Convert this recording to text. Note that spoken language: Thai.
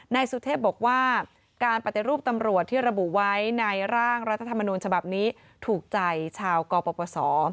นายสุเทพบอกว่าการปฏิรูปตำรวจที่ระบุไว้ในร่างรัฐธรรมนูญฉบับนี้ถูกใจชาวกปศ